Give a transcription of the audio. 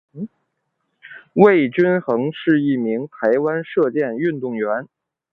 魏均珩是一名台湾射箭运动员。